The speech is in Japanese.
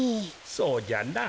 そうじゃな。